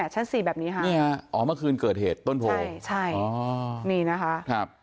ชั้น๔แบบนี้ค่ะอ๋อเมื่อคืนเกิดเหตุต้นโพรง